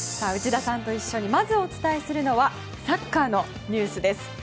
内田さんと一緒にまずお伝えするのはサッカーのニュースです。